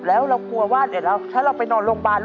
แล้วเรากลัวว่าเดี๋ยวถ้าเราไปนอนโรงพยาบาล